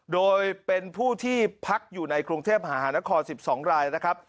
โดยเป็นผู้ที่พักอยู่ในกรุงเทพมหานคร๑๒รายนะครับ